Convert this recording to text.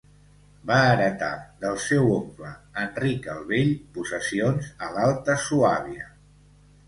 Va heretar del seu oncle Enric el Vell possessions a l'Alta Suàbia.